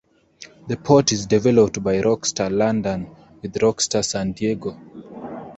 The port is developed by Rockstar London with Rockstar San Diego.